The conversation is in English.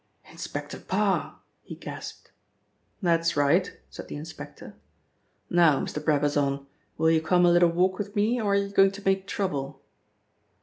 "Inspector Parr," he gasped. "That's right," said the inspector. "Now, Mr. Brabazon, will you come a little walk with me, or are you going to make trouble?"